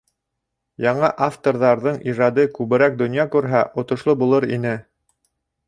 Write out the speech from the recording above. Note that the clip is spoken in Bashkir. Яңы авторҙарҙың ижады күберәк донъя күрһә, отошло булыр ине.